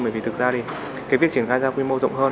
bởi vì thực ra thì cái việc triển khai ra quy mô rộng hơn